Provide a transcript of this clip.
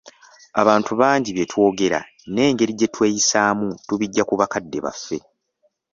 Abantu bangi bye twogera, n'engeri gye tweyisaamu tubijja ku bakadde baffe.